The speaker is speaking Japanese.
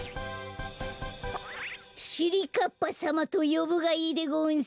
しりかっぱさまとよぶがいいでごんす。